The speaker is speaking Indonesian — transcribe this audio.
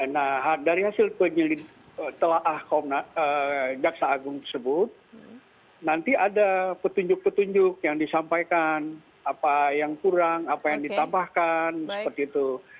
nah dari hasil jaksa agung tersebut nanti ada petunjuk petunjuk yang disampaikan apa yang kurang apa yang ditambahkan seperti itu